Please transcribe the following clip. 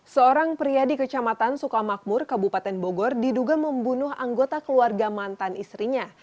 seorang pria di kecamatan sukamakmur kabupaten bogor diduga membunuh anggota keluarga mantan istrinya